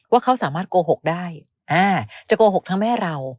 ว่าเขาสามารถโกหกได้จะโกหกทั้งแม่เรา